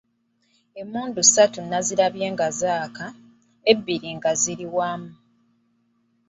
Emmundu ssatu nazirabye nga zaaka, ebbiri nga ziri wamu.